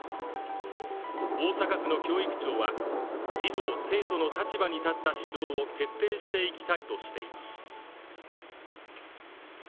大阪府の教育庁は、児童・生徒の立場に立った指導を徹底していきたいとしています。